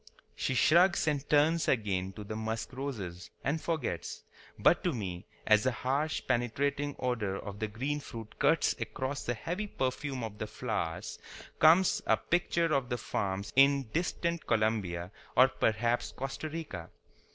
She shrugs and turns again to the musk roses, and forgets. But to me, as the harsh, penetrating odor of the green fruit cuts across the heavy perfume of the flowers, comes a picture of the farms in distant Colombia or perhaps Costa Rica.